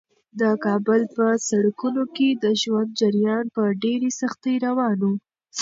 د کابل په سړکونو کې د ژوند جریان په ډېرې سختۍ روان و.